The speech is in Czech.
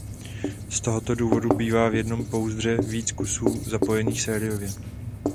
Z toho důvodu bývá v jednom pouzdře více ks zapojených sériově.